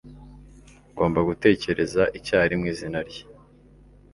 Ngomba gutekereza icyarimwe izina rye.